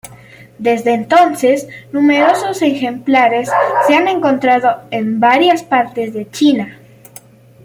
Desde entonces, numerosos ejemplares se han encontrado en varias partes de China.